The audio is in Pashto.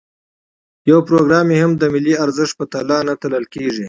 یو پروګرام یې هم د ملي ارزښت په تله نه تلل کېږي.